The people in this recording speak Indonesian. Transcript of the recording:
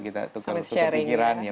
kita tukar tukar pikiran